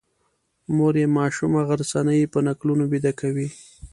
مور یې ماشومه غرڅنۍ په نکلونو ویده کوي.